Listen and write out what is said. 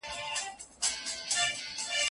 پوهانو سياست ته له بېلابېلو زوايو کتلي دي.